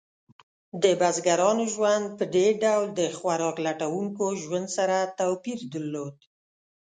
د بزګرانو ژوند په دې ډول د خوراک لټونکو ژوند سره توپیر درلود.